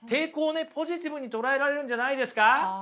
ポジティブに捉えられるんじゃないですか。